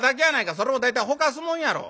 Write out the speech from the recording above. それも大体ほかすもんやろ。